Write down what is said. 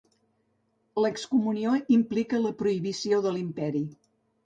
L'excomunió implica la prohibició de l'Imperi.